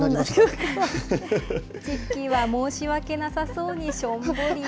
チッキーは申し訳なさそうにしょんぼり。